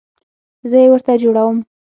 زه یې ورته جوړوم